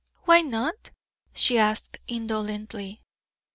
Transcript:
"Why not?" she asked, indolently.